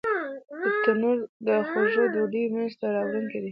تنور د خوږو ډوډیو مینځ ته راوړونکی دی